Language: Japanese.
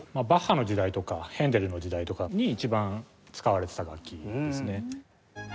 バッハの時代とかヘンデルの時代とかに一番使われてた楽器ですね。